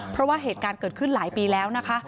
เพราะว่าเหตุการณ์เกิดขึ้นหลายปีแล้วนะคะ